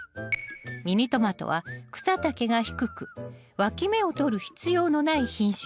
ミニトマトは草丈が低くわき芽をとる必要のない品種を育てます。